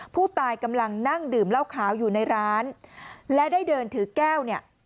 ผู้ตายกำลังนั่งดื่มเหล้าขาวอยู่ในร้านและได้เดินถือแก้วเนี่ย